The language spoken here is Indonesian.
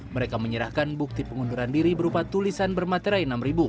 mereka menyerahkan bukti pengunduran diri berupa tulisan bermaterai rp enam